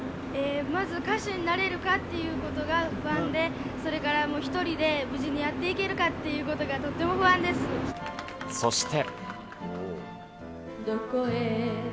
まず歌手になれるかっていうことが不安で、それから１人で無事にやっていけるかっていうところが、とても不そして。